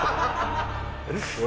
俺